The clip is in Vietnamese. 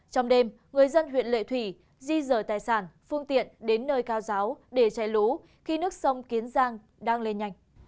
trong đêm người dân huyện lệ thủy di rời tài sản phương tiện đến nơi cao giáo để chạy lũ khi nước sông kiến giang đang lên nhanh